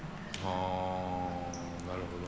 あなるほどね。